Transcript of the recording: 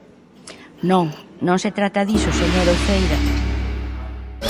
Non, non se trata diso, señora Uceira.